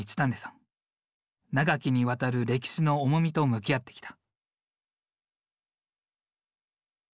長きにわたる歴史の重みと向き合ってきた。